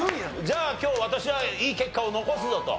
じゃあ今日私はいい結果を残すぞと？